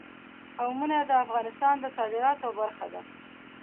قومونه د افغانستان د صادراتو برخه ده.